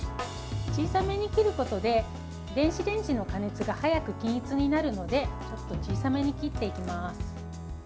小さめに切ることで電子レンジの加熱が早く均一になるのでちょっと小さめに切っていきます。